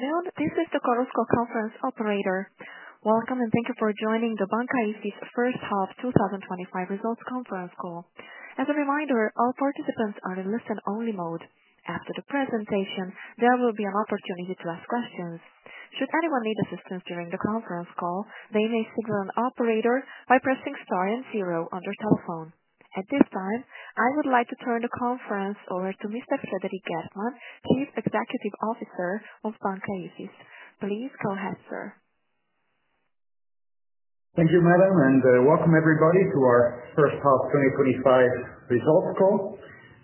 You are listening to the Chorus Call Conference Operator. Welcome and thank you for joining the Banca Ifis Experts Hub 2025 Results Conference Call. As a reminder, all participants are in listen-only mode. After the presentation, there will be an opportunity to ask questions. Should anyone need assistance during the conference call, they may speak to an operator by pressing star and zero on their telephone. At this time, I would like to turn the conference over to Mr. Frederik Geertman, who is the Chief Executive Officer of Banca Ifis. Please go ahead, sir. Thank you, madam, and welcome everybody to our First Hub 2025 Results Call.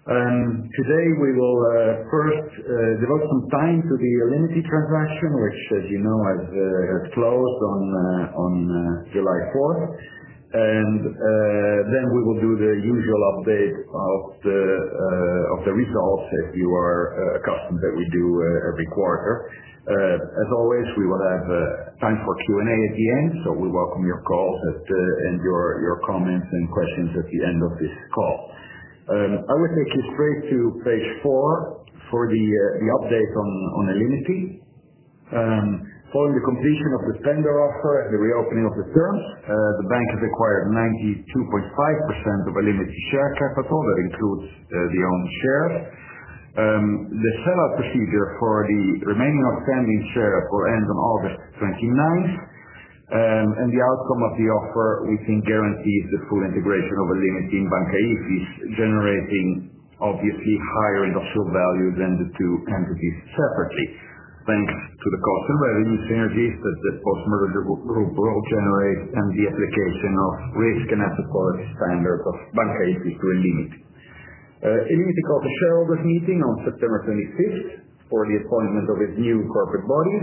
Today we will, first, devote some time to the illimity transaction, which, as you know, has closed on July 4th. Then we will do the usual update of the results as you are accustomed that we do every quarter. As always, we will have time for Q&A at the end, so we welcome your calls and your comments and questions at the end of this call. I would like to create you page four for the update on illimity. Following the completion of the tender offer and the reopening of the term, the bank has acquired 92.5% of illimity's share capital. That includes the owners' shares. The sell-out procedure for the remaining outstanding shares will end on August 29th, and the outcome of the offer we think guarantees the full integration of illimity in Banca Ifis, generating, obviously, higher industrial value than the two entities separately. Thanks to the cost and revenue synergies that the postmortem group will generate and the application of risk and asset quality standards of Banca Ifis to illimity. illimity holds a shareholders' meeting on September 26th for the appointment of its new corporate body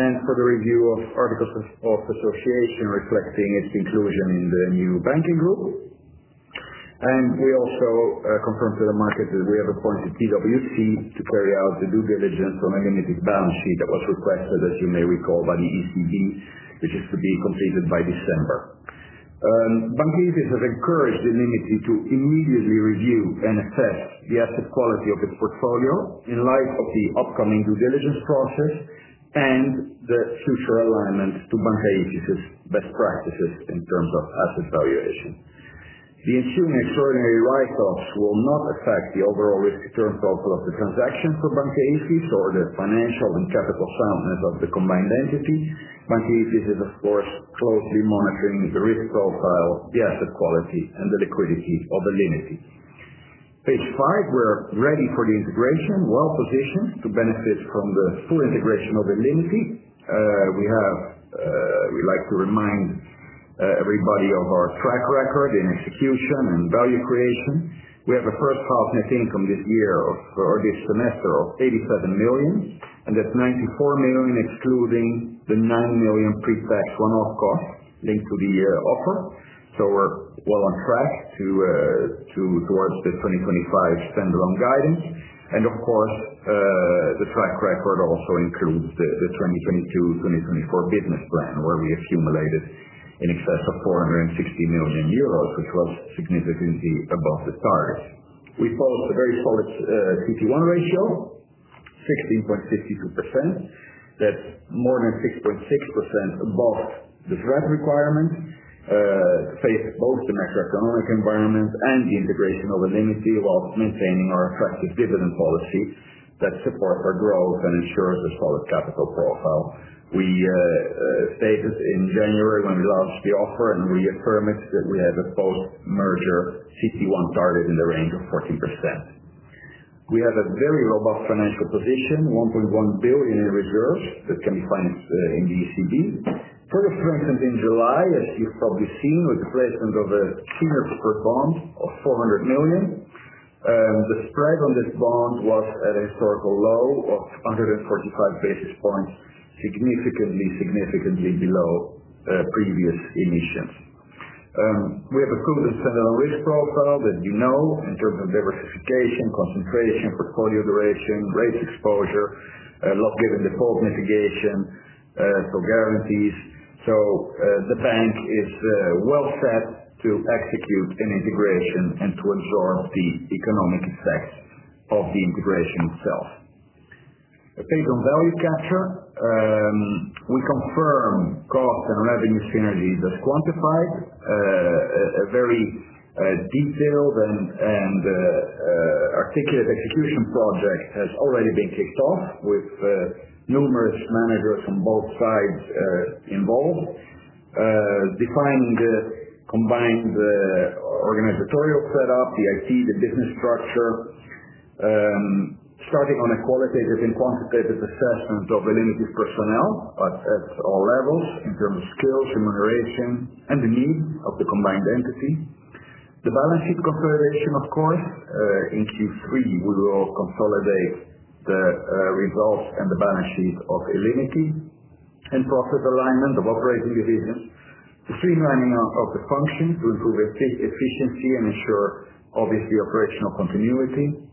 and for the review of articles of association reflecting its inclusion in the new banking group. We also confirmed to the market that we have appointed PWC to carry out the due diligence on illimity's balance sheet that was requested, as you may recall, by the ECB, which is to be completed by December. Banca has encouraged illimity to immediately review and assess the asset quality of its portfolio in light of the upcoming due diligence process and the future alignment to Banca Ifis's best practices in terms of asset valuation. The ensuing extraordinary write-off will not affect the overall risk-return profile of the transaction for Banca Ifis or the financial and capital founders of the combined entity. Banca Ifis is, of course, closely monitoring the risk profile, the asset quality, and the liquidity of illimity. Page five: we're ready for the integration, well positioned to benefit from the full integration of illimity. We like to remind everybody of our track record in execution and value creation. We have a first half net income this year, or this semester, of 87 million, and that's 94 million excluding the 9 million pre-tax one-off costs linked to the offer. We're well on track towards the 2025 standalone guidance. Of course, the track record also includes the 2022-2024 business plan where we accumulated in excess of 460 million euros, which was significantly above the target. We followed a very solid CET1 ratio, 16.62%. That's more than 6.6% above the draft requirement, faced both the macroeconomic environment and the integration of illimity while maintaining our effective dividend policy that supports our growth and ensures a solid capital profile. We stated in January when we launched the offer and reaffirmed it that we have a post-merger CET1 target in the range of 14%. We have a very robust financial position, 1.1 billion in reserves that can be funded in the ECB. Further flux in July, as you've probably seen, with the placement of a single-booker bond of 400 million. The spread on this bond was at a historical low of 145 basis points, significantly below previous emissions. We have a clearly set risk profile that you know in terms of diversification, concentration, portfolio duration, risk exposure, locked in default mitigation, for guarantees. The bank is well set to execute an integration and to absorb the economic effects of the integration itself. A page on value capture. We confirm cost and revenue synergies as quantified. A very detailed and articulate execution project has already been kicked off with numerous managers on both sides involved. Defined, combined, organizational setup, the IC, the business structure, starting on a qualitative and quantitative assessment of illimity's personnel, but at all levels in terms of skills, remuneration, and the need of the combined entity. The balance sheet consolidation, of course. In Q3, we will consolidate the results and the balance sheet of illimity and profit alignment of operating division, the streamlining of the function to improve efficiency and ensure, obviously, operational continuity.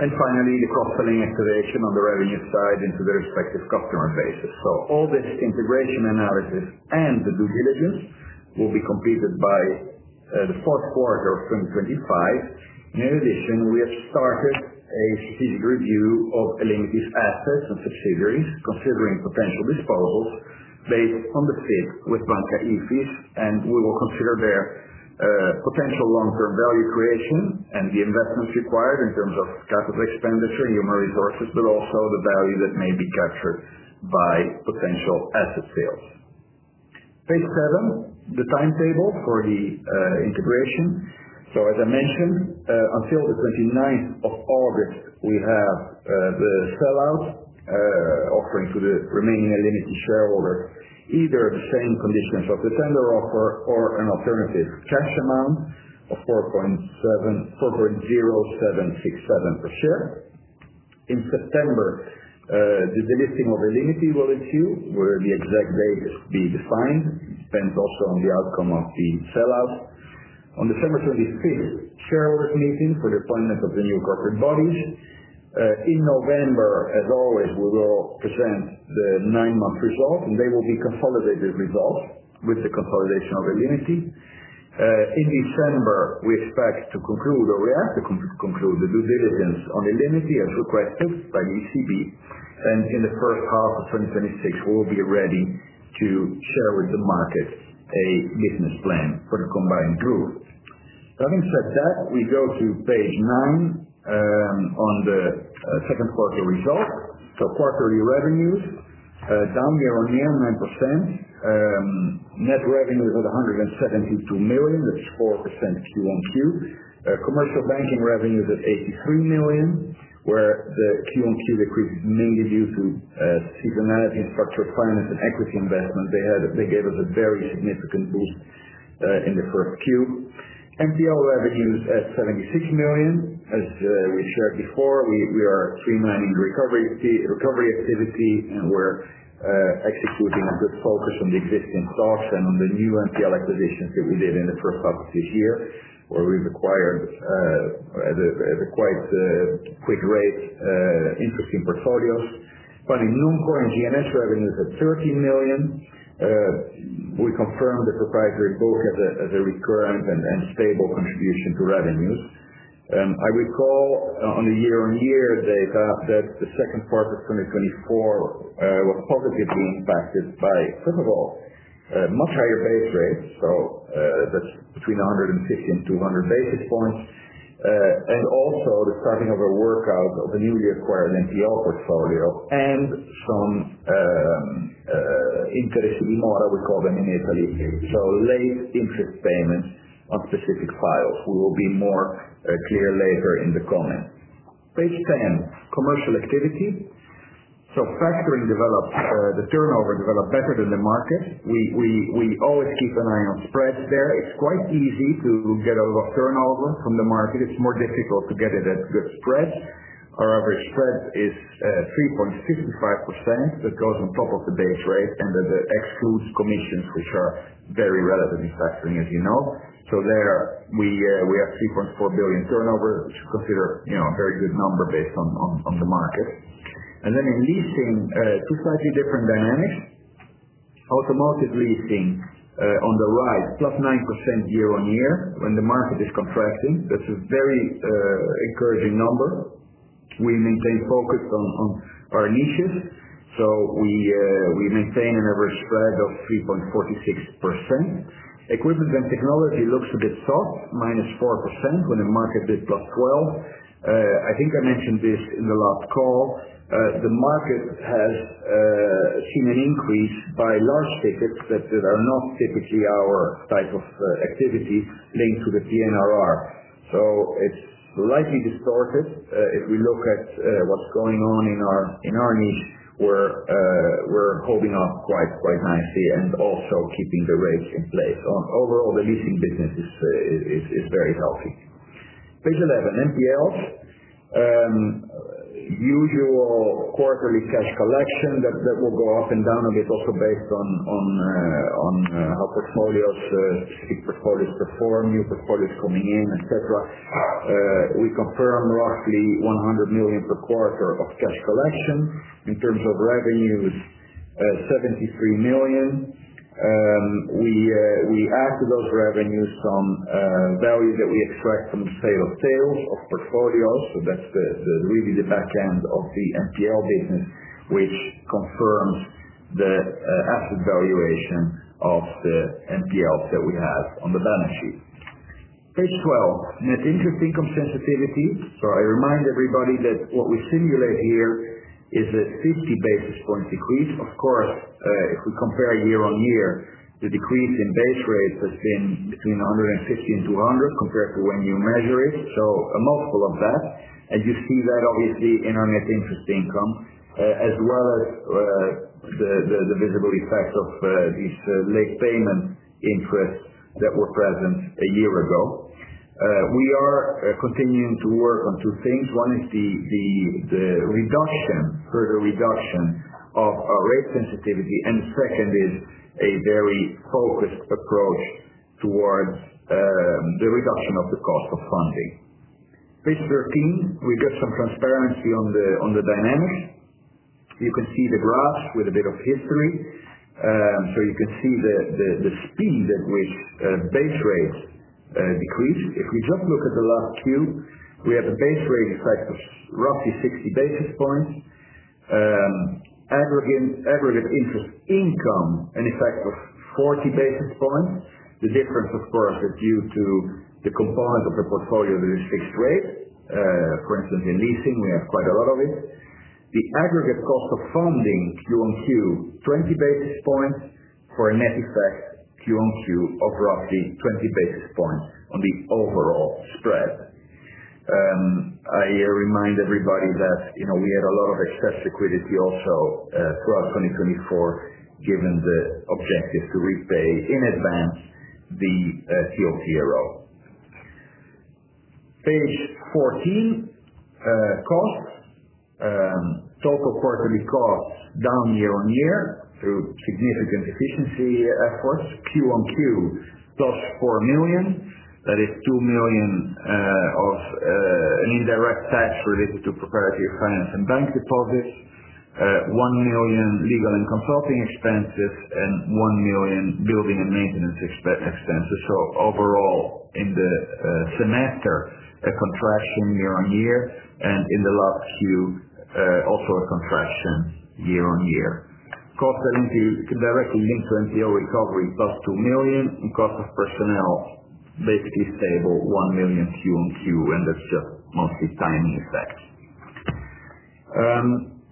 Finally, the cross-selling activation on the revenue side into the respective customer bases. All the integration analysis and the due diligence will be completed by the fourth quarter of 2025. In addition, we have started a strategic review of illimity's assets and subsidiaries, considering potential disposal based on the fit with Banca Ifis. We will consider their potential long-term value creation and the investments required in terms of capital expenditure and human resources, but also the value that may be captured by potential asset sales. Page seven: the timetable for the integration. As I mentioned, until the 29th of August, we have the sell-out offering to the remaining illimity shareholders, either the same conditions of the tender offer or an alternative tax amount of 4.0767 per share. In September, the delivery of the illimity will issue, where the exact date is to be defined, depends also on the outcome of the sell-out. On December 25th, shareholders' meeting for the appointment of the new corporate bodies. In November, as always, we will present the nine-month result, and they will be consolidated results with the consolidation of illimity. In December, we expect to conclude or we have to conclude the due diligence on illimity as requested by the ECB. In the first half of 2026, we'll be ready to share with the market a business plan for the combined group. Having said that, we go to page nine, on the second quarter results. Quarterly revenues, down year-on-year, 9%. Net revenue is about 172 million. QoQ. Commercial banking revenues at 83 million, QoQ decreased mainly due to seasonality and structured plan as an equity investment. They gave us a very significant boost in the first Q. Npl revenues at 76 million. As we shared before, we are streamlining the recovery activity, and we're executing with focus on the existing costs and on the new Npl acquisitions that we did in the first half of this year, where we've acquired, at a quite quick rate, interesting portfolios. Funding non-currency and net revenues at 13 million. We confirmed the proprietary book as a recurrent and stable contribution to revenue. I recall, on the year-on-year data, that the second quarter of 2024 was positively impacted by, first of all, a much higher base rate. That's between 150 basis points to 200 basis points, and also the starting of a workout of the newly acquired Npl portfolio and some interest in the model we call the illimity Leasing. Late interest payments on specific files. We will be more clear later in the comments. Page 10: Commercial Activity. Factoring develops, the turnover developed better than the market. We always keep an eye on spreads there. It's quite easy to get a lot of turnover from the market. It's more difficult to get it at good spreads. Our average spread is 3.65%. That goes on top of the base rate and excludes commissions, which are very relatively fascinating, as you know. We have 3.4 billion turnover, which is considered a very good number based on the market. In leasing, two slightly different dynamics. Automotive leasing is on the rise, +9% year-on-year when the market is contracting. That's a very encouraging number. We maintain focus on our niches, so we maintain an average spread of 3.46%. Equipment and technology looks a bit soft, -4% when the market did +12%. I think I mentioned this in the last call. The market has seen an increase by large tickets that are not typically our type of activity linked to the PNRR. It's slightly distorted if we look at what's going on in our niche. We're holding up quite nicely and also keeping the rates in place. Overall, the leasing business is very healthy. Page 11: Npls. Usual quarterly cash collection will go up and down a bit, also based on how portfolios perform, new portfolios coming in, etc. We confirm roughly 100 million per quarter of cash collection. In terms of revenues, 73 million. We add to those revenues some value that we extract from the sales of portfolios. That's really the back end of the Npl business, which confirms the asset valuation of the Npls that we have on the balance sheet. Page 12: Net Interest Income Sensitivity. I remind everybody that what we simulate here is a 50 basis point decrease. Of course, if we compare year-on-year, the decrease in base rates has been between 150 basis points and 200 basis points compared to when we measure it, so a multiple of that. You see that, obviously, in our net interest income, as well as the visible effects of these late payment interests that were present a year ago. We are continuing to work on two things. One is the further reduction of our rate sensitivity. The second is a very focused approach towards the reduction of the cost of funding. Page 13: We get some transparency on the dynamics. You can see the graph with a bit of history. You can see the speed that base rates decrease. If we just look at the last two, we have the base rate effects of roughly 60 basis points. Aggregate interest income and effect of 40 basis points. The difference, of course, is due to the component of the portfolio that is fixed rate. For instance, in leasing, we have quite a lot of it. The aggregate cost of QoQ, 20 basis points for a net QoQ of roughly 20 basis points on the overall spread. I remind everybody that, you know, we had a lot of excess liquidity also, throughout 2024, given the objective to reach in advance the FSB rule. Page 14, Costs. Total quarterly cost down year-on-year through significant efficiency, of course. QoQ, +4 million. That is 2 million of indirect tax related to proprietary finance and bank deposits, 1 million legal and consulting expenses, and 1 million building and maintenance expenses. Overall, in the semester, a contraction year-on-year. In the last few, also a contraction year-on-year. Costs that we can directly link to Npl recovery, plus 2 million. Cost of personnel basically stable, 1 QoQ, and that's the monthly timing effect.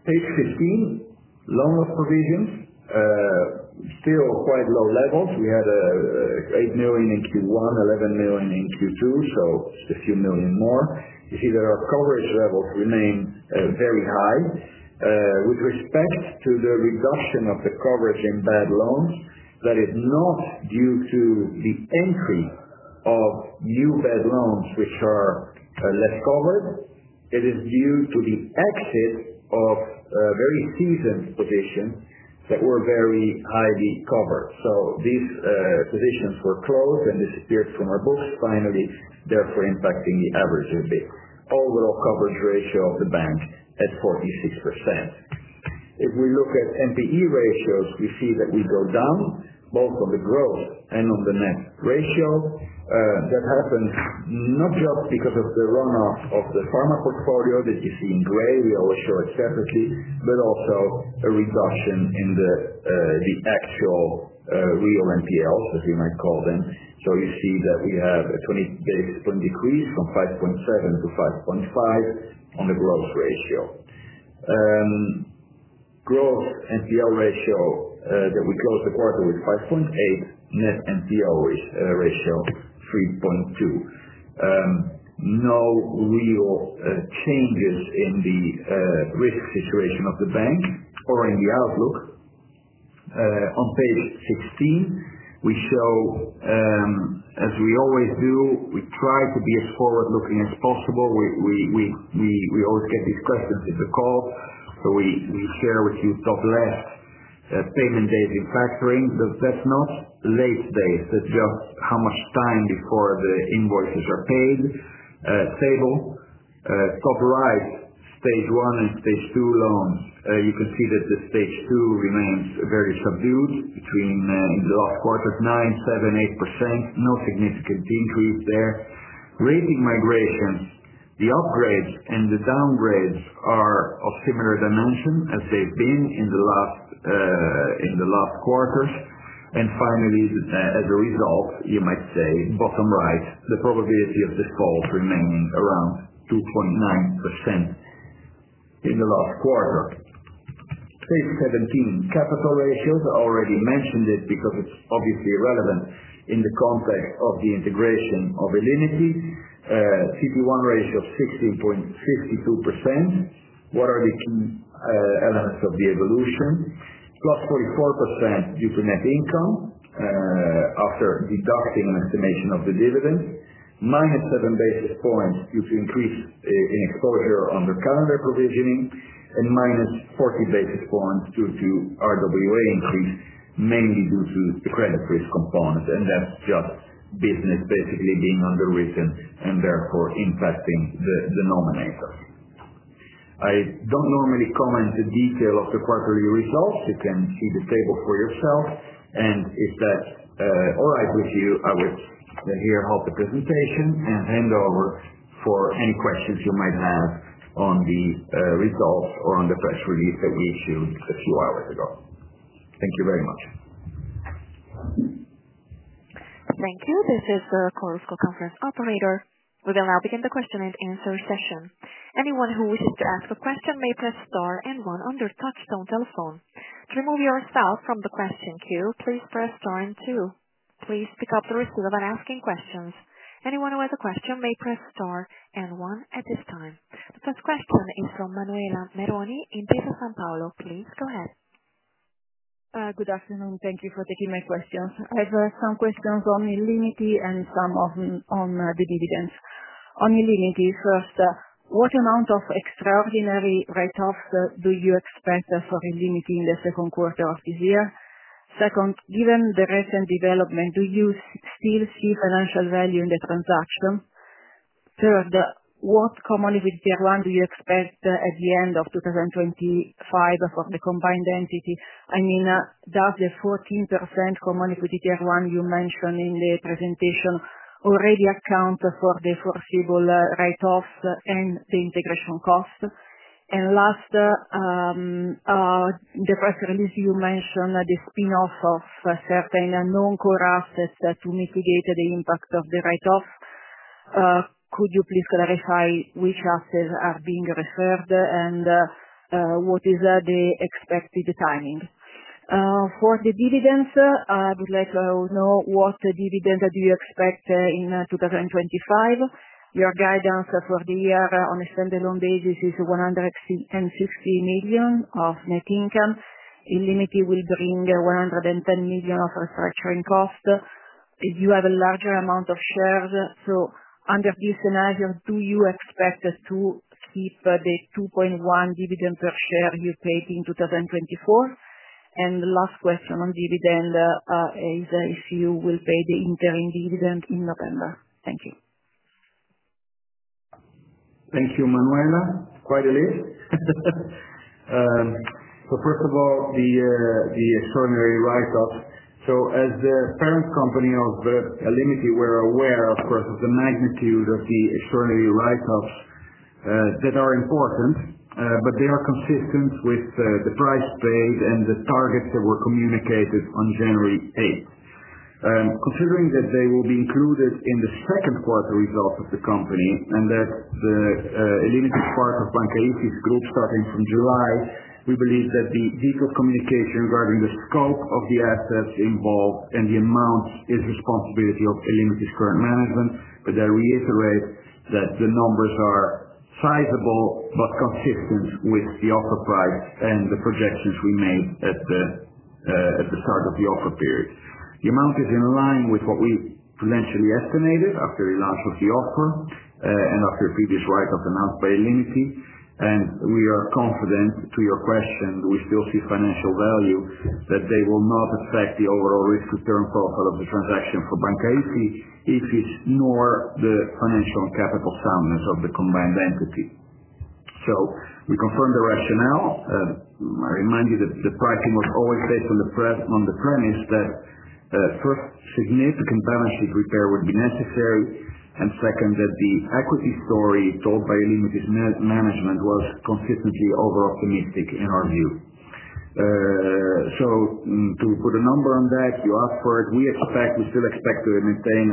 Page 15, loan provisions. Still quite low levels. We had 8 million in Q1, 11 million in Q2, so a few million more. You see that our coverage levels remain very high. With respect to the reduction of the coverage in bad loans, that is not due to the entry of new bad loans, which are less covered. It is due to the exit of very seasoned positions that were very highly covered. These positions were closed, and this appears from our books. Finally, therefore, impacting the average of the overall coverage ratio of the bank at 46%. If we look at NPE ratios, you see that they go down both on the gross and on the net ratio. That happens not just because of the runoff of the pharma portfolio that you see in gray. We always show it separately, but also a reduction in the actual, real Npl, as you might call them. You see that we have a 20 basis point decrease from 5.7%-5.5% on the gross ratio. Gross Npl ratio, that we closed the quarter with 5.8%. Net Npl ratio, 3.2%. No real changes in the risk situation of the bank or in the outlook. On page 16, we show, as we always do, we try to be as forward-looking as possible. We always get these questions in the call. We share with you top left, payment days in factoring, the [Net-Zero]. Late days, that's just how much time before the invoices are paid. Table. Top right, stage one and stage two loan. You can see that the stage two remains very subdued between, in the last quarter, at 9%, 7%, 8%. No significant increase there. Rating migrations, the upgrades and the downgrades are of similar dimension as they've been in the last quarters. Finally, as a result, you might say, in bottom right, the probability of default remains around 2.9% in the last quarter. Page 17: Capital Ratios. I already mentioned this because it's obviously relevant in the context of the integration of illimity. CET1 ratio of 16.62%. What are the key elements of the evolution? +44% due to net income, after deducting an estimation of the dividend. Minus 7 basis points due to increase in exposure on the calendar provisioning. Minus 40 basis points due to RWA increase, mainly due to the credit risk component. That's just business basically being underwritten and therefore impacting the denominator. I don't normally comment the detail of the quarterly results. You can see the table for yourself. If that's all right with you, I would here hold the presentation and hand over for any questions you might have on the results or on the press release that we issued a few hours ago. Thank you very much. Thank you. This is the Chorus Call Conference Operator. We will now begin the question and answer session. Anyone who wishes to ask a question may press star and one on their touch-tone telephone. To remove yourself from the question queue, please press star and two. Please pick up the receiver when asking questions. Anyone who has a question may press star and one at this time. The first question is from Manuela Maroni in Intesa Sanpaolo. Please go ahead. Good afternoon. Thank you for taking my questions. I have some questions on illimity and some on the dividends. On illimity, first, what amount of extraordinary write-offs do you expect for illimity in the second quarter of this year? Second, given the recent development, do you still see financial value in the transaction? Third, what Common Equity Tier 1 do you expect at the end of 2025 for the combined entity? I mean, does the 14% Common Equity Tier 1 you mentioned in the presentation already account for the foreseeable write-offs and the integration costs? In the press release, you mentioned the spin-off of certain non-core assets to mitigate the impact of the write-offs. Could you please clarify which assets are being referred and what is the expected timing? For the dividends, I would like to know what dividends do you expect in 2025? Your guidance for the year on a standalone basis is 150 million of net income. illimity will bring 110 million of restructuring costs. If you have a larger amount of shares, under this scenario, do you expect us to skip the 2.1 dividend per share you paid in 2024? The last question on dividend is if you will pay the interim dividend in November? Thank you. Thank you, Manuela. It's quite a list. First of all, the extraordinary write-off. As the parent company of illimity, we're aware, of course, of the magnitude of the extraordinary write-offs that are important, but they are consistent with the price paid and the targets that were communicated on January 8th. Considering that they will be included in the second quarter results of the company and that the illimity part of Banca Ifis group started in July, we believe that the detailed communication regarding the scope of the assets involved and the amount is the responsibility of illimity's current management. I reiterate that the numbers are sizable but consistent with the offer price and the projections we made at the start of the offer period. The amount is in line with what we financially estimated after the last of the offer and after a previous write-off announced by illimity. We are confident, to your question, do we still see financial value, that they will not affect the overall risk-return profile of the transaction for Banca Ifis nor the financial and capital founders of the combined entity. We confirm the rationale. I remind you that the pricing was always based on the premise that, first, significant balance sheet repair would be necessary. Second, the equity story told by illimity's management was consistently over-optimistic in our view. To put a number on that, you asked for it. We expect, we still expect to maintain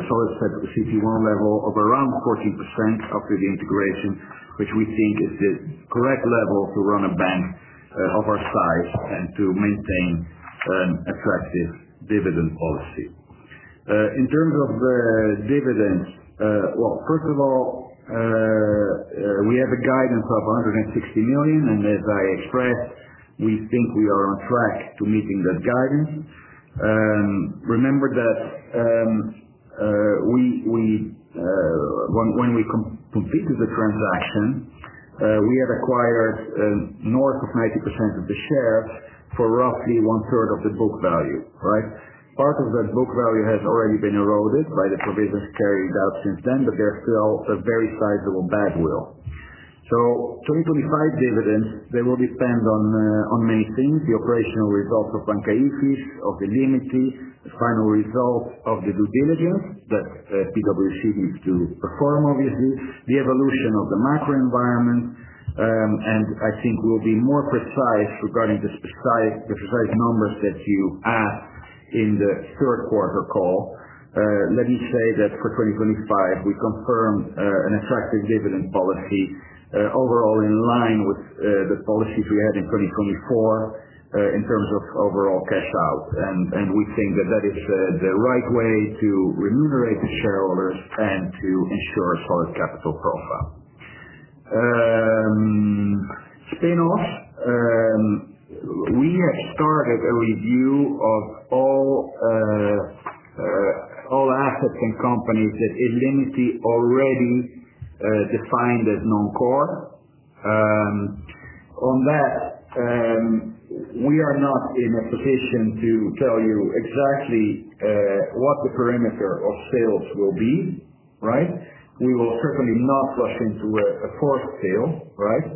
a solid CET1 level of around 14% after the integration, which we think is the correct level to run a bank of our size and to maintain an attractive dividend policy. In terms of the dividends, first of all, we have a guidance of 160 million. As I expressed, we think we are on track to meeting that guidance. Remember that when we completed the transaction, we had acquired north of 90% of the shares for roughly one-third of the book value, right? Part of that book value has already been eroded by the provisions carried out since then, but there's still a very sizable bad will. 2025 dividends will depend on, on May 10th, the operational results of Banca Ifis, of the illimity, the final result of the due diligence that PWC needs to perform, obviously, the evolution of the macro environment. I think we'll be more precise regarding the precise numbers that you asked in the third quarter call. Let me say that for 2025, we confirm an attractive dividend policy, overall in line with the policies we had in 2024 in terms of overall cash out. We think that that is the right way to remunerate the shareholders and to ensure a solid capital profile. We have started a review of all assets and companies that illimity already defined as non-core. On that, we are not in a position to tell you exactly what the perimeter of sales will be, right? We will certainly not swap into a fourth sale, right?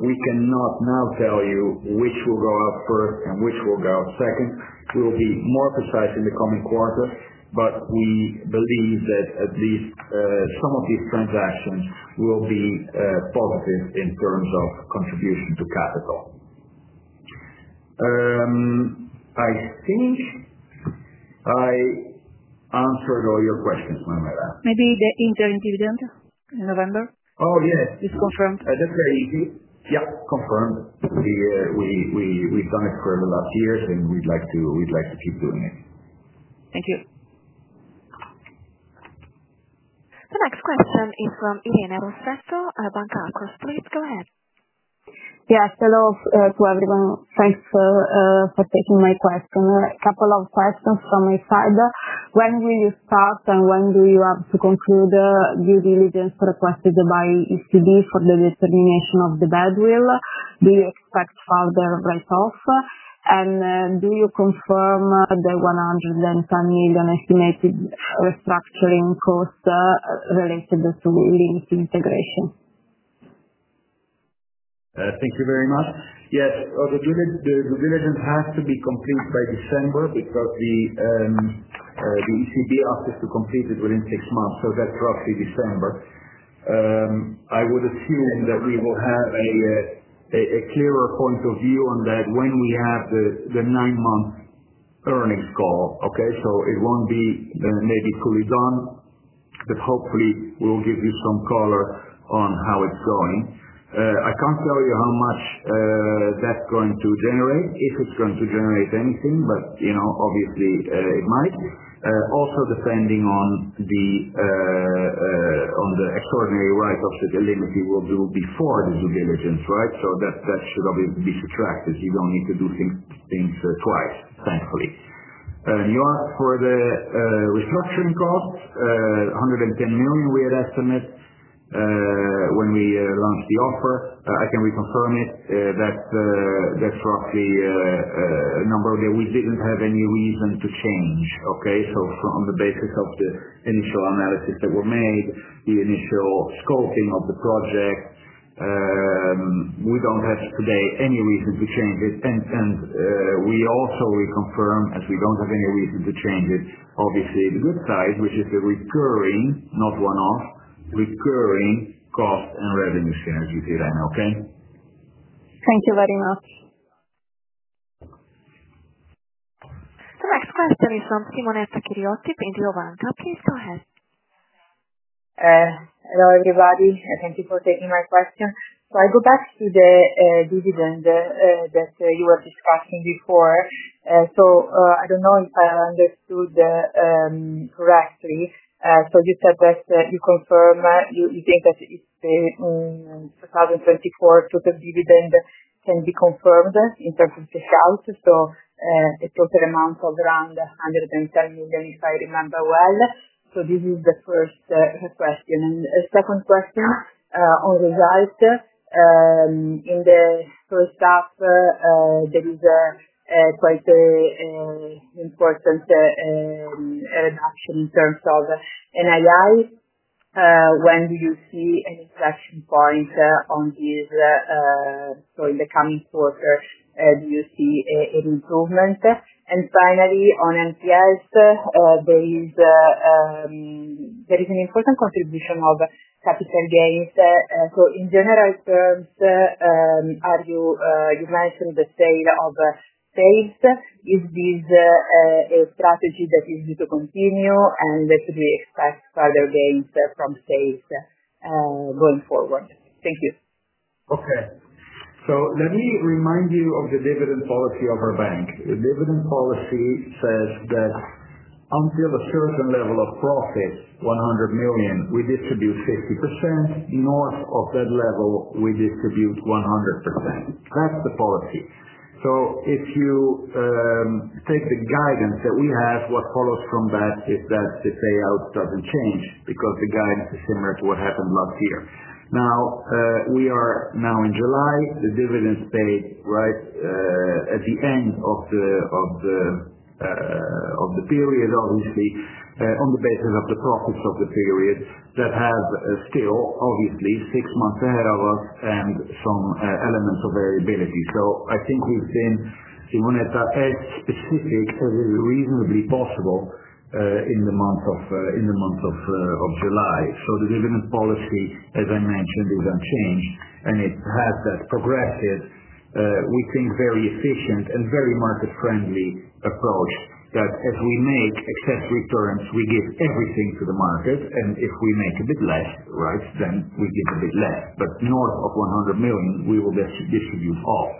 We cannot now tell you which will go out first and which will go out second. We'll be more precise in the coming quarter, but we believe that at least some of these transactions will be positive in terms of contribution to capital. I think I answered all your questions, Manuela. Maybe the interim dividend in November? Oh, yes. Is confirmed. That's very easy. Yeah, confirmed. We've done it for the last years, and we'd like to keep doing it. Thank you. The next question is from Elena Rossetto at. Yes. Hello to everyone. Thanks for taking my question. A couple of questions from my side. When do you start and when do you have to conclude the due diligence requested by ECB for the determination of the bad will? Do you expect further write-offs? Do you confirm the 120 million estimated restructuring costs related to illimity integration? Thank you very much. Yes. The due diligence has to be complete by December because the ECB asked us to complete it within six months of that, roughly December. I would assume that we will have a clearer point of view on that when we have the nine-month earnings call, okay? It won't be maybe fully done, but hopefully, we'll give you some color on how it's going. I can't tell you how much that's going to generate, if it's going to generate anything, but, you know, obviously, it might. Also depending on the extraordinary write-off that illimity will do before the due diligence, right? That's to probably be subtracted. You don't need to do things twice, thankfully. You asked for the restructuring costs. 110 million, we had estimated when we launched the offer. I can reconfirm it. That's roughly a number that we didn't have any reason to change, okay? On the basis of the initial analysis that were made, the initial scoping of the project, we don't have today any reason to change it. We also reconfirmed, as we don't have any reason to change it, obviously, the good side, which is the recurring, not one-off, recurring costs and revenue shares, you see that, okay? Thank you very much. The next question is from from Please go ahead. Hello, everybody. Thank you for taking my question. I go back to the dividend that you were discussing before. I don't know if I understood correctly. You said that you confirm, you think that in 2024, total dividend can be confirmed in terms of the sales, a total amount of around 110 million, if I remember well. This is the first question. The second question, on the right, in the first half, there is quite an important reduction in terms of NII. When do you see an inflection point on this? In the coming quarter, do you see an improvement? Finally, on Npls, there is an important contribution of capital gains. In general terms, you've mentioned the sale of sales. Is this a strategy that is due to continue and that we expect further gains from sales going forward? Thank you. Okay. Let me remind you of the dividend policy of our bank. The dividend policy says that until a certain level of profit, 100 million, we distribute 50%. North of that level, we distribute 100%. That's the policy. If you take the guidance that we have, what follows from that is that the payout doesn't change because the guidance is similar to what happened last year. We are now in July. The dividends are paid at the end of the period, obviously, on the basis of the profits of the period that have still, obviously, six months ahead of us and some elements of variability. I think we've seen simulated specifics as reasonably possible in the month of July. The dividend policy, as I mentioned, is unchanged, and it has that progressive, we think, very efficient and very market-friendly approach that as we make cash returns, we give everything to the market. If we make a bit less, then we give a bit less. North of 100 million, we will distribute all.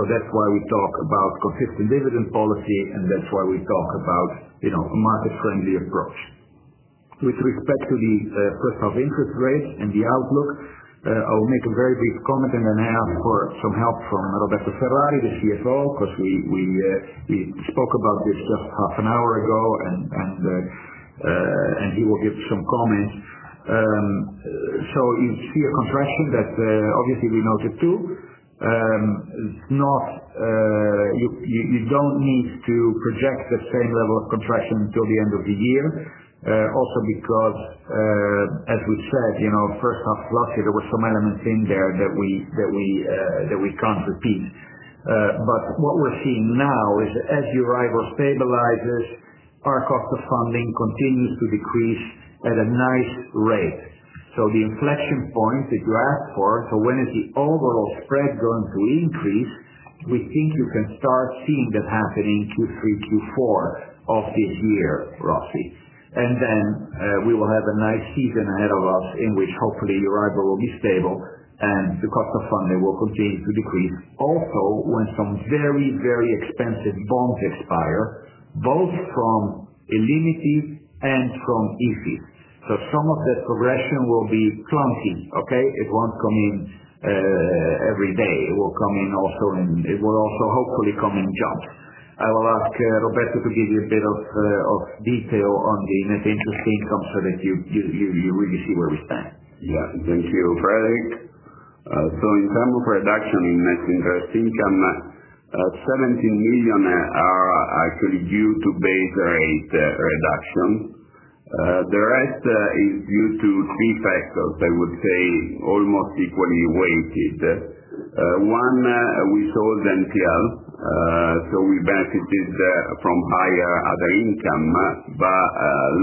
That's why we talk about consistent dividend policy, and that's why we talk about a market-friendly approach. With respect to the first half interest rate and the outlook, I will make a very brief comment and then ask for some help from Roberto Diacetti, the CFO, because he spoke about this stuff half an hour ago, and he will give some comments. You see a compression that, obviously, we noted too. You don't need to project the same level of compression until the end of the year, also because, as we've said, first half last year, there were some elements in there that we can't repeat. What we're seeing now is as Euribor stabilizes, our cost of funding continues to decrease at a nice rate. The inflection point that you asked for, so when is the overall spread going to increase, we think you can start seeing that happening Q3, Q4 of this year, roughly. We will have a nice season ahead of us in which, hopefully, Euribor will be stable and the cost of funding will continue to decrease. Also, when some very, very expensive bonds expire, both from illimity and from Ifis. Some of that progression will be plunky, okay? It won't come in every day. It will also, hopefully, come in jumps. I will ask Roberto to give you a bit of detail on the net interest income so that you really see where we stand. Yeah. Thank you, Frederik. In terms of reduction in net interest income, 17 million are actually due to base rate reduction. The rest is due to three factors that I would say are almost equally weighted. One, we sold Npl, so we benefited from higher other income, but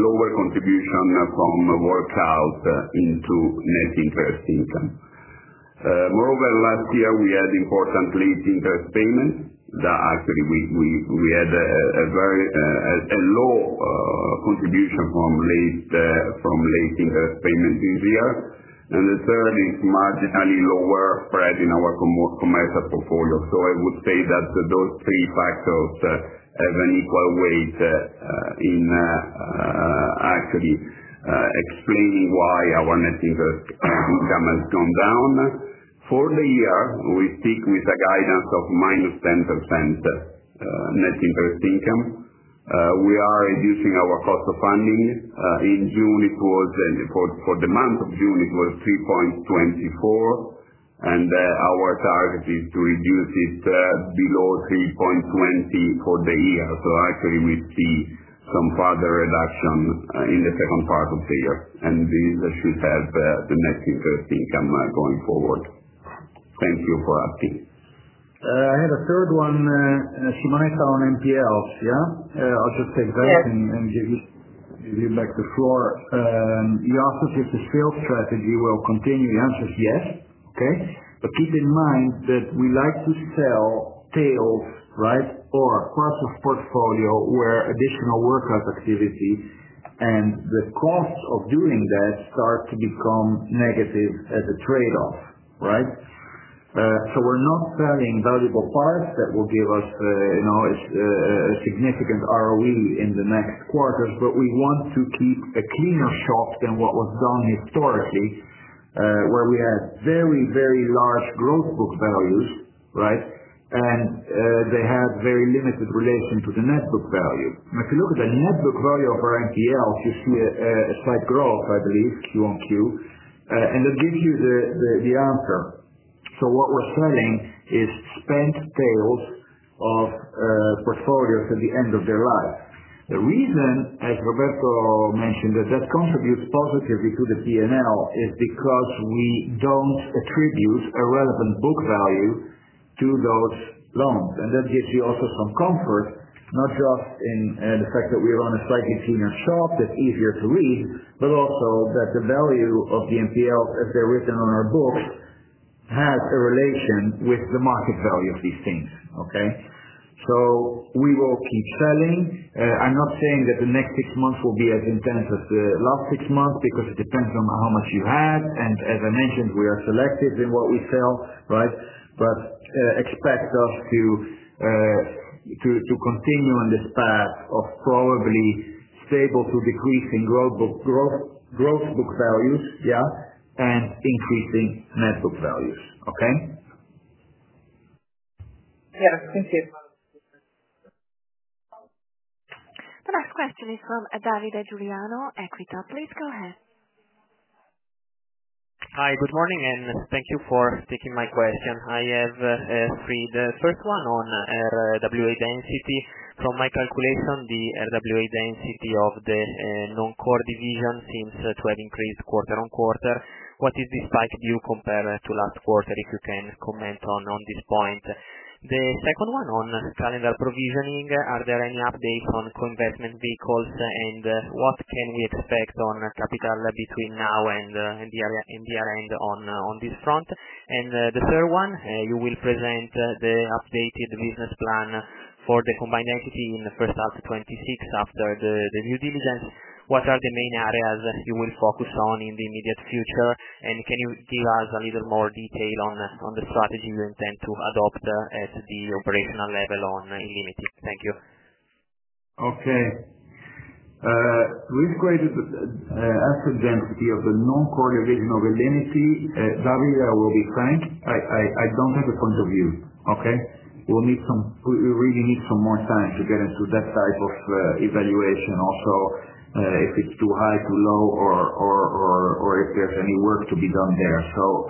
lower contribution from workout into net interest income. Moreover, last year, we had important late interest payments that actually we had a very low contribution from late interest payments this year. The third is marginally lower spread in our commercial portfolio. I would say that those three factors have an equal weight in actually explaining why our net interest income has gone down. For the year, we stick with a guidance of -10% net interest income. We are reducing our cost of funding. In June, for the month of June, it was 3.24%. Our target is to reduce it below 3.20% for the year. Actually, we've seen some further reduction in the second part of the year. This should help the net interest income going forward. Thank you for asking. I had a third one, and as Simone saw on Npls, yeah? I'll just take that and give you back the floor. Npl portfolio sales strategy will continue, the answer is yes, okay? Keep in mind that we like to sell sales, right, or cross-off portfolio where additional workup activity, and the cost of doing that starts to become negative as a trade-off, right? We're not selling valuable parts that will give us, you know, a significant ROE in the next quarters. We want to keep a cleaner shop than what was done historically, where we had very, very large gross book values, right? They have very limited relation to the net book value. If you look at the net book value of our Npl, you see a slight growth, I believe, QoQ. I'll give you the answer. What we're selling is spent sales of portfolios at the end of their life. The reason, as Roberto mentioned, that that contributes positively to the P&L is because we don't attribute a relevant book value to those loans. That gives you also some comfort, not just in the fact that we run a slightly shinier shop that's easier to read, but also that the value of the Npl, as they're written on our books, has a relation with the market value of these things, okay? We will keep selling. I'm not saying that the next six months will be as intense as the last six months because it depends on how much you had. As I mentioned, we are selective in what we sell, right? Expect us to continue on this path of probably stable to decreasing gross book value, yeah? and increasing net book value, okay? Thank you. The next question is Andrea Loro at [Twitter]. Please go ahead. Hi. Good morning, and thank you for taking my question. I have three. The first one on RWA density. From my calculation, the RWA density of the non-core division seems to have increased quarter on quarter. What is this spike due to compared to last quarter? If you can comment on this point. The second one on calendar provisioning, are there any updates on co-investment vehicles and what can we expect on capital between now and the year-end on this front? The third one, you will present the updated business plan for the combined entity in the first half of 2026 after the due diligence. What are the main areas you will focus on in the immediate future? Can you give us a little more detail on the strategy you intend to adopt at the operational level on illimity? Thank you. Okay. With greater asset density of the non-core division of illimity, that area will be tight. I don't have a point of view, okay? We'll need some, we really need some more time to get into that type of evaluation also, if it's too high, too low, or if there's any work to be done there.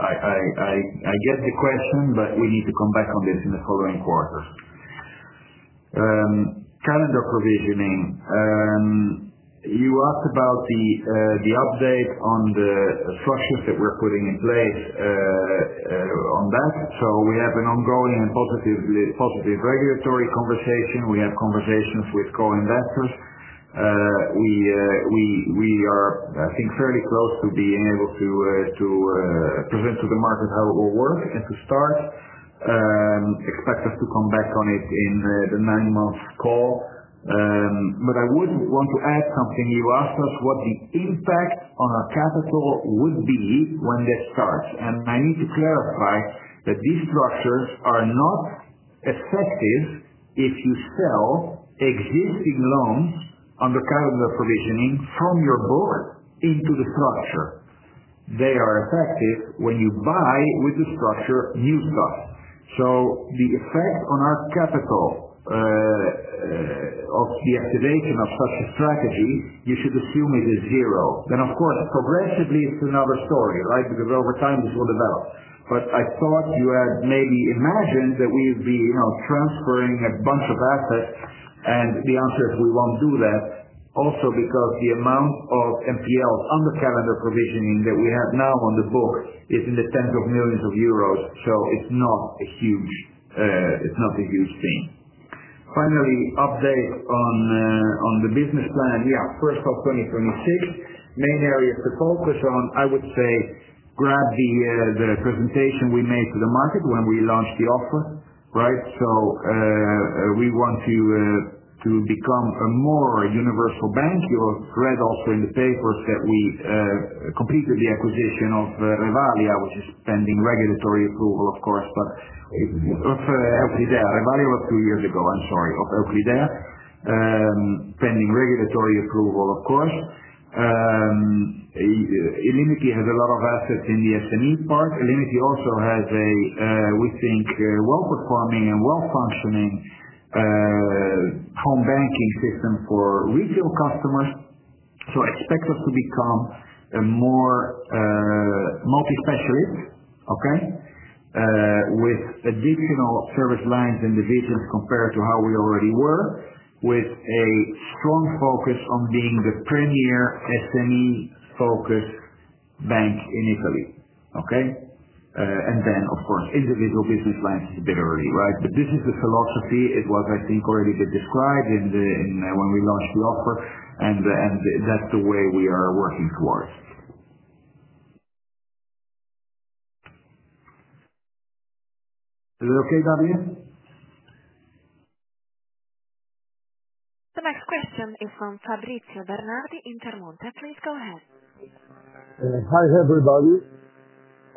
I get the question, but we need to come back on this in the following quarter. Calendar provisioning. You asked about the update on the structures that we're putting in place on that. We have an ongoing and positive regulatory conversation. We have conversations with co-investors. We are, I think, fairly close to being able to present to the market how it will work as we start. Expect us to come back on it in the nine-month call. I would want to add something. You asked us what the impact on our capital would be when that starts. I need to clarify that these structures are not effective if you sell existing loans on the calendar provisioning from your book into the structure. They are effective when you buy with the structure new stuff. The effect on our capital, of the activation of such a strategy, you should assume is zero. Of course, progressively, it's another story, right, because over time, this will develop. I thought you had maybe imagined that we would be, you know, transferring a bunch of assets. The answer is we won't do that. Also, because the amount of Npls under calendar provisioning that we have now on the book is in the tens of millions of euros. It's not a huge, it's not a huge thing. Finally, update on the business plan. First half 2026. Main areas to focus on, I would say, grab the presentation we made to the market when we launched the offer, right? We want to become a more universal bank. You will read up in the papers that we completed the acquisition of Revalea. It was just pending regulatory approval, of course, but it's hopefully there. Revalea was two years ago. I'm sorry. Hopefully there, pending regulatory approval, of course. illimity has a lot of assets in the SME part. illimity also has a, we think, well-performing and well-functioning home banking system for retail customers. Expect us to become a more multi-specialist, okay, with additional service lines and divisions compared to how we already were, with a strong focus on being the premier SME-focused bank in Italy, okay? Of course, individual business lines is a bit early, right? The business philosophy, it was, I think, already a bit described in the, in when we launched the offer. That's the way we are working towards. Is it okay, Davide? The next question is from Fabrizio Bernardi in Intermonte. Please go ahead. Hi, everybody.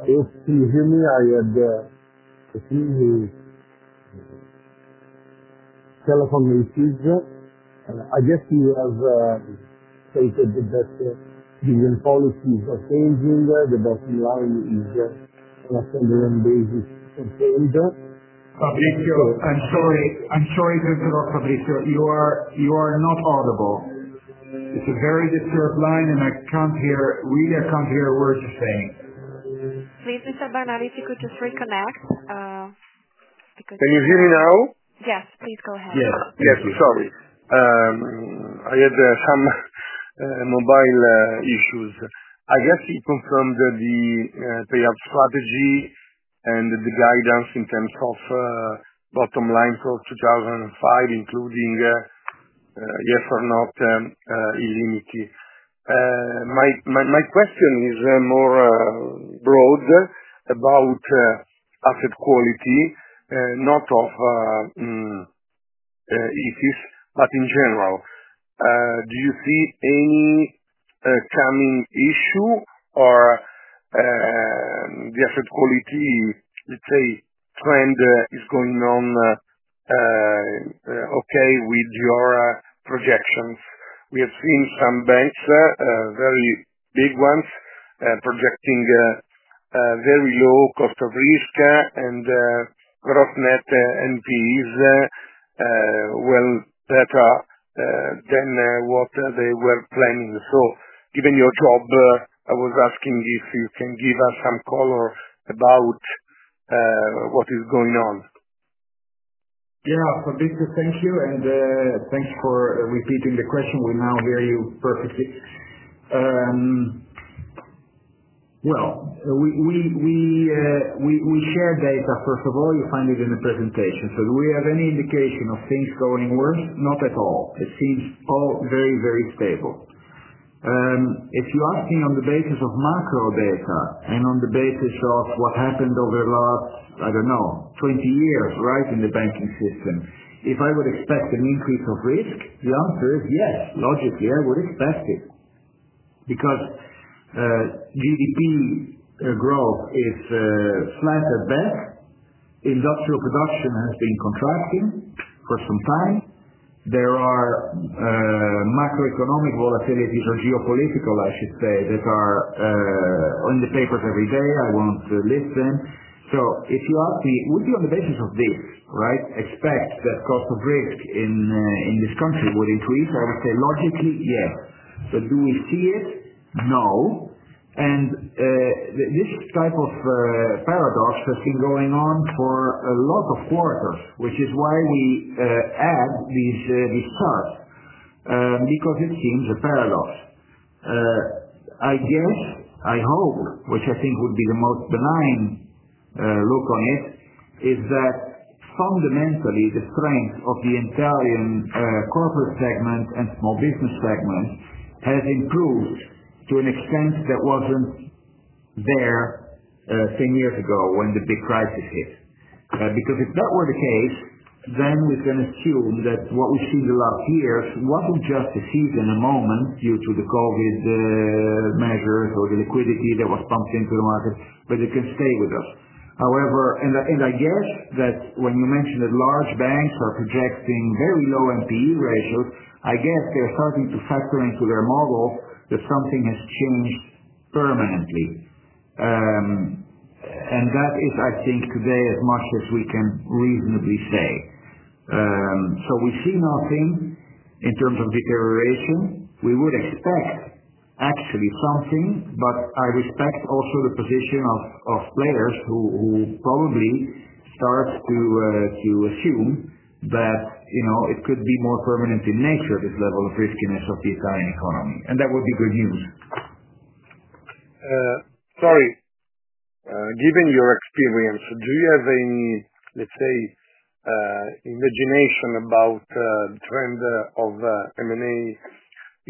Excuse me. I had a few telephone issues. I guess you have stated that the dividend policies are changing. The bottom line is a standard and basic. I'm sorry to interrupt, Fabrizio. You are not audible. It's a very disturbed line, and I can't hear, really, I can't hear a word you say. Please, Mr. Bernardi, if you could just reconnect. Can you hear me now? Yes, please go ahead. Yes, sorry. I had some mobile issues. I guess you confirmed the payout strategy and the guidance in terms of bottom line for 2025, including, yes or not, illimity. My question is more broad about asset quality, not of Banca Ifis, but in general. Do you see any coming issue or the asset quality, let's say, trend is going on okay with your projections? We have seen some banks, very big ones, projecting very low cost of risk and gross net Npls, well better than what they were planning. Given your job, I was asking if you can give us some color about what is going on. Fabrizio, thank you. Thanks for repeating the question. We now hear you perfectly. We share data, first of all. You find it in the presentation. Do we have any indication of things going worse? Not at all. It seems all very, very stable. If you're asking on the basis of macro data and on the basis of what happened over the last, I don't know, 20 years in the banking system, if I would expect an increase of risk, the answer is yes, logically, I would expect it. Because GDP growth is flat at best. Industrial production has been contracting for some time. There are macroeconomic volatilities or geopolitical, I should say, that are on the papers every day. I won't list them. If you ask me, would you, on the basis of this, expect that cost of risk in this country would increase, I would say logically, yeah. Do we see it? No. This type of paradox has been going on for a lot of quarters, which is why we add this part, because it seems a paradox. I hope, which I think would be the most benign look on this, is that fundamentally, the strength of the Italian corporate segment and small business segment has improved to an extent that wasn't there 10 years ago when the big crisis hit. If that were the case, then we can assume that what we've seen the last years, what we just received in a moment due to the COVID measures or the liquidity that was pumped into the market, but it can stay with us. However, when you mentioned that large banks are projecting very low NPE ratios, I guess they're starting to factor into their model that something has changed permanently. That is, I think, today, as much as we can reasonably say. We see nothing in terms of deterioration. We would expect actually something, but I respect also the position of players who probably start to assume that it could be more permanent in nature, this level of riskiness of the Italian economy. That would be good news. Given your experience, do you have any, let's say, imagination about the trend of M&A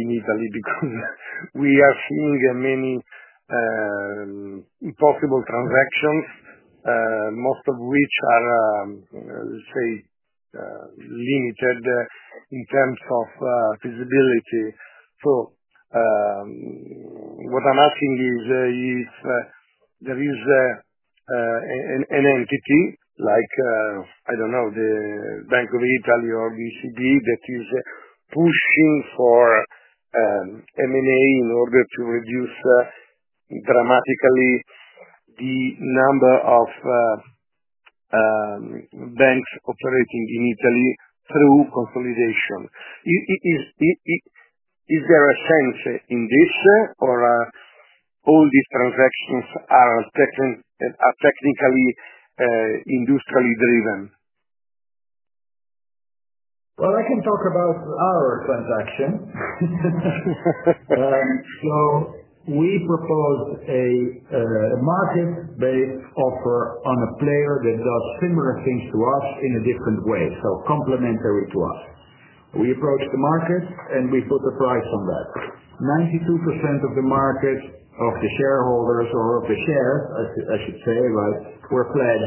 in Italy? We are seeing many impossible transactions, most of which are, let's say, limited in terms of feasibility. What I'm asking is, is there an entity like, I don't know, the Bank of Italy or the ECB that is pushing for M&A in order to reduce dramatically the number of banks operating in Italy through consolidation? Is there a sense in this, or are all these transactions technically, industrially driven? I can talk about our transaction. We proposed a market-based offer on a player that does similar things to us in a different way, so complementary to us. We approached the market and we put a price on that. 92% of the shareholders, or of the shares, I should say, were clad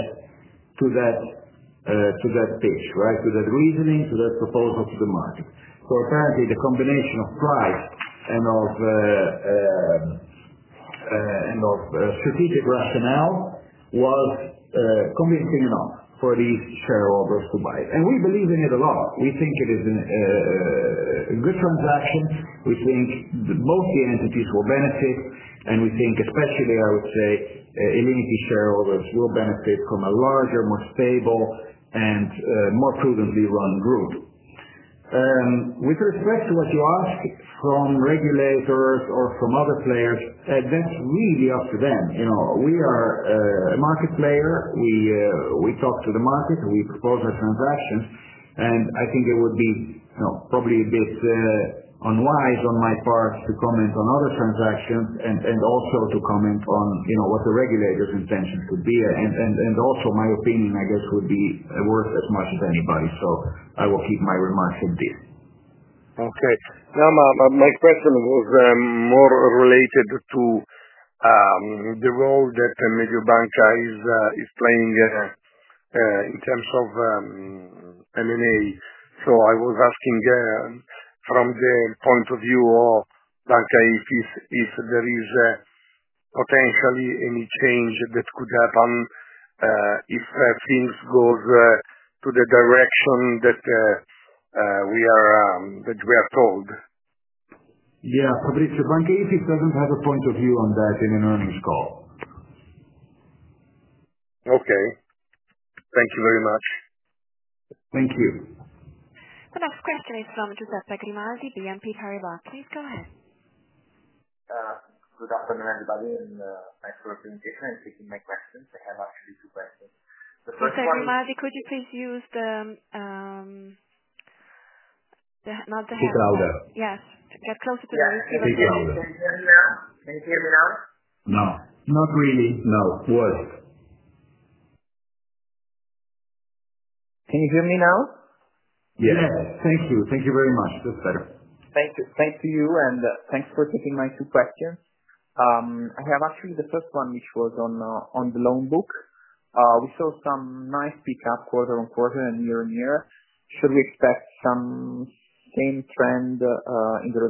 to that pitch, to that reasoning, to that proposal to the market. Apparently, the combination of price and strategic rationale was convincing enough for these shareholders to buy. We believe in it a lot. We think it is a good transaction. We think most of the entities will benefit. We think, especially, I would say, illimity shareholders will benefit from a larger, more stable, and more prudently run route. With respect to what you asked from regulators or from other players, that's really up to them. We are a market player. We talk to the market and we propose a transaction. I think it would be probably a bit unwise on my part to comment on other transactions and also to comment on what the regulator's intentions would be. Also, my opinion, I guess, would be worth as much as anybody. I will keep my remarks at this. Okay. My next question was more related to the role that the major banker is playing in terms of M&A. I was asking from the point of view of Banca Ifis if there is potentially any change that could happen if things go to the direction that we are told? Yeah. Fabrizio, Banca Ifis doesn't have a point of view on that in anonymous call. Okay, thank you very much. Thank you. The next question is from [Mr. Segrimardi], BNP Paribas. Please go ahead. Good afternoon, everybody, and thanks for taking my questions. I have asked you two questions. [Mr. Segrimardi], could you please use the. Speaker louder. Yes, get closer to the louder. Speaker louder. Can you hear me now? No. Not really. No, worse. Can you hear me now? Yes. Yes, thank you. Thank you very much. That's better. Thank you. Thank you. Thank you for taking my two questions. I have actually the first one, which was on the loan books. We saw some nice pickup quarter on quarter and year-on-year. Should we expect the same trend in the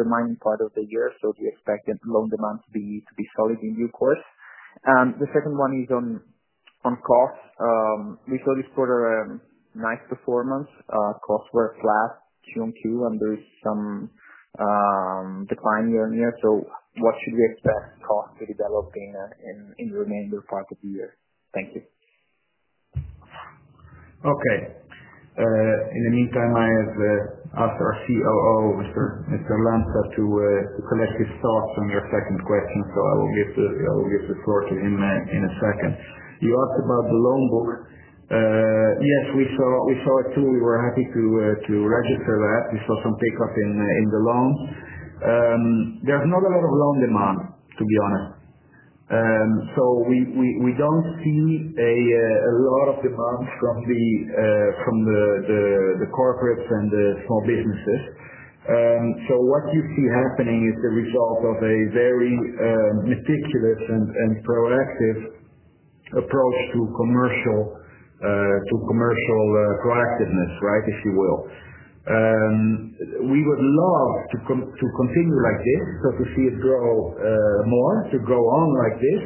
remainder part of the year? Do you expect that loan demand to be solid in due course? The second one is on cost. We saw this quarter, nice performance. Costs were QoQ, and there is some decline year-on-year. What should we expect cost to develop in the remainder part of the year? Thank you. Okay. In the meantime, I have the COO, Mr. Lanza, to collect his thoughts on the second question. I will give the floor to him in a second. You asked about the loan book. Yes, we saw it too. We were happy to register that. We saw some takeoff in the loan. There's not a lot of loan demand, to be honest. We don't see a lot of demand from the corporates and the small businesses. What you see happening is the result of a very meticulous and proactive approach to commercial proactiveness, right, if you will. We would love to continue like this, to see it grow more, to grow on like this.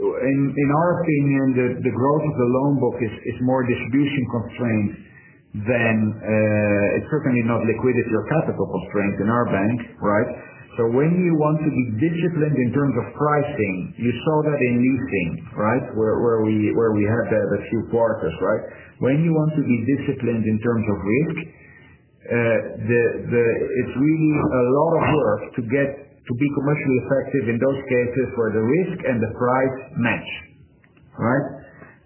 In our opinion, the growth of the loan book is more distribution-constrained than, it's certainly not liquidity or capital-constrained in our bank, right? When you want to be disciplined in terms of pricing, you saw that in leasing, right, where we had the two quarters, right? When you want to be disciplined in terms of risk, it's really a lot of work to get to be commercially effective in those cases where the risk and the price match, right?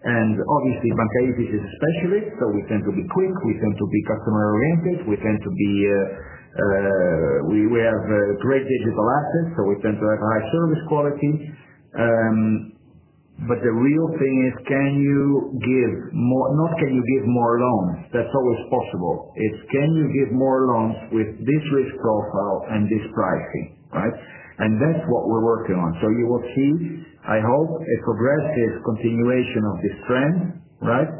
Obviously, Banca Ifis is a specialist, so we tend to be quick. We tend to be customer-oriented. We have great digital assets, so we tend to have a high service quality. The real thing is, can you give more, not can you give more loans? That's always possible. It's, can you give more loans with this risk profile and this pricing, right? That's what we're working on. You will see, I hope, a progressive continuation of this trend, right?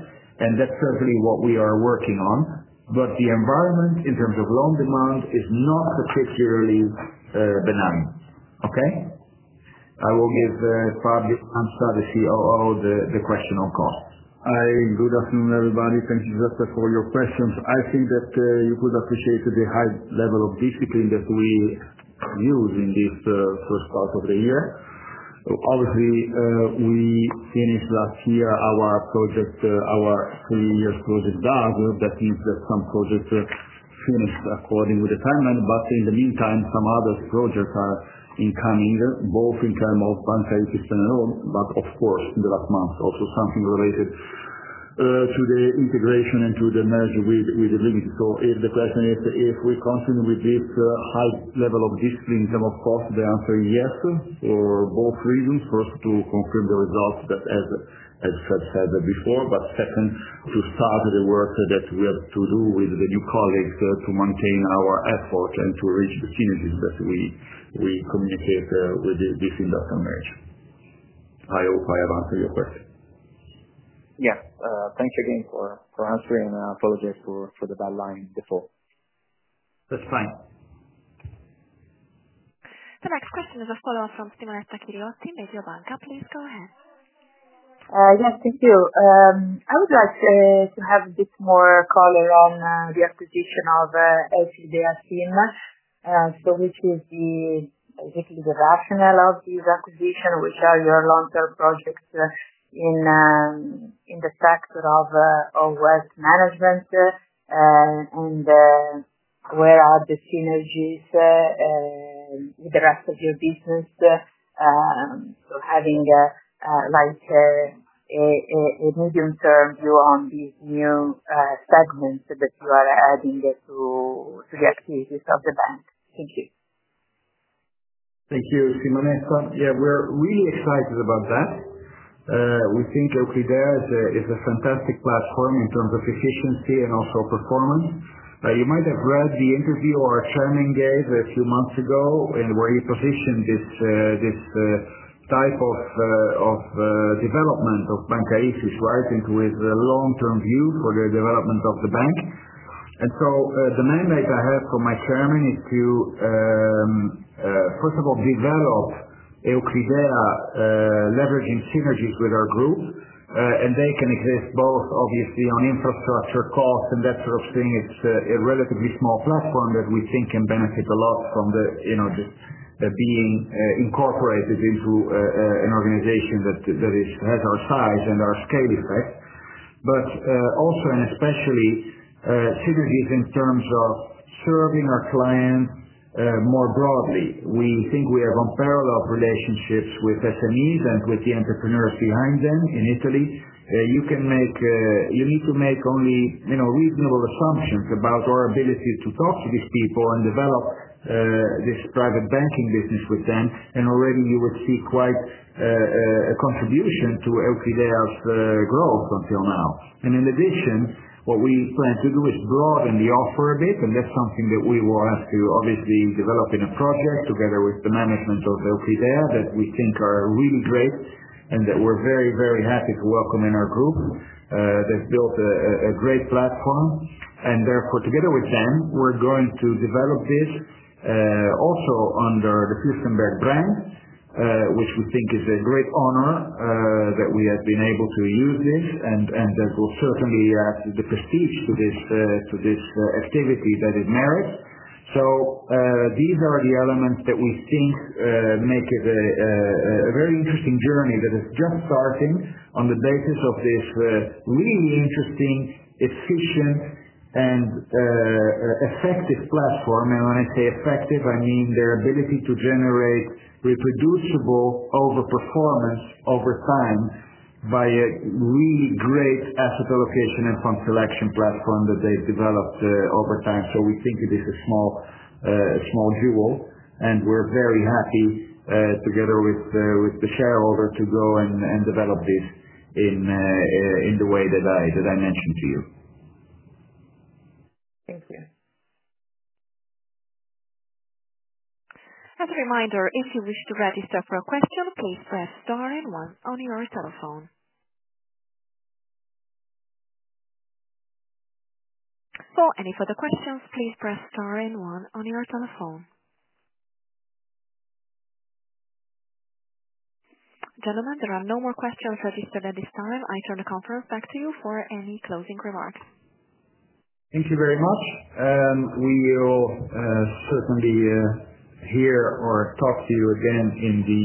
That's certainly what we are working on. The environment in terms of loan demand is not particularly benign, okay? I will give Fabio Lanza, the COO, the question on cost. Hi. Good afternoon, everybody. Thank you, for your questions. I think that you could appreciate the high level of discipline that we use in this first part of the year. Obviously, we finished last year our projects, our three-year project out. That means that some projects finish according with the timeline. In the meantime, some other projects are incoming, both in terms of Banca Ifis alone, but of course, the last month, also something related to the integration and to the merger with illimity. If the question is if we continue with this high level of discipline in terms of cost, the answer is yes for both reasons. First, to confirm the results that, as I said before. Second, to start the work that we have to do with the new colleagues to maintain our effort and to reach the synergies that we communicate with this investment merger. I hope I have answered your question. Yes, thank you again for answering, and I apologize for the bad lines before. That's fine. The next question is a follow-up from [Simone Saccheriotte's] team at your bank company. Go ahead. Yes, thank you. I would like to have a bit more color on the acquisition of Se&D [Assassin en]. What is the rationale of this acquisition? We saw your long-term project in the sector of wealth management. Where are the synergies with the rest of your business? I am having a medium-term view on these new segments that you are adding to the activities of the bank. Thank you. Thank you, [Simonetta]. Yeah, we're really excited about that. We think [Okidea] is a fantastic platform in terms of efficiency and also performance. You might have read the interview our Chairman gave a few months ago where he positioned this type of development of Banca Ifis, right, with a long-term view for the development of the bank. The mandate I have from my Chairman is to, first of all, develop [Okidea], leveraging synergies with our group. They can exist both, obviously, on infrastructure, cost, and that sort of thing. It's a relatively small platform that we think can benefit a lot from being incorporated into an organization that has our size and our scale effect. Also, and especially, synergies in terms of serving our clients more broadly. We think we have unparalleled relationships with SMEs and with the entrepreneurs behind them in Italy. You need to make only reasonable assumptions about our ability to talk to these people and develop this private banking business with them. Already, you will see quite a contribution to [Okidea]'s growth until now. In addition, what we plan to do is broaden the offer a bit. That's something that we will have to obviously develop in a project together with the management of [Okidea] that we think are really great and that we're very, very happy to welcome in our group. They've built a great platform. Therefore, together with them, we're going to develop this also under theFürstenberg brand, which we think is a great honor that we have been able to use this. That will certainly add the prestige to this activity that it merits. These are the elements that we think make it a very interesting journey that is just starting on the basis of this really interesting, efficient, and effective platform. When I say effective, I mean their ability to generate reproducible overperformance over time by a really great asset allocation and fund selection platform that they've developed over time. We think it is a small jewel. We're very happy, together with the shareholder, to go and develop this in the way that I mentioned to you. Thank you. As a reminder, if you wish to register for a question, please press star and one on your telephone. For any further questions, please press star and one on your telephone. Gentlemen, there are no more questions registered at this time. I turn the conference back to you for any closing remarks. Thank you very much. We will certainly hear or talk to you again in the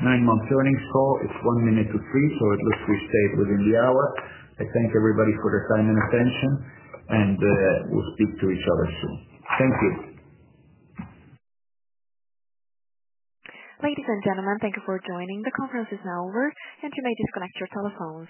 nine-month earnings call. It's one minute to 3:00 P.M., so it looks like we've saved within the hour. I thank everybody for their time and attention. We'll speak to each other soon. Thank you. Ladies and gentlemen, thank you for joining. The conference is now over. You may disconnect your telephones.